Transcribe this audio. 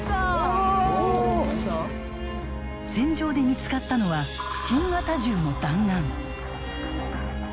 戦場で見つかったのは新型銃の弾丸。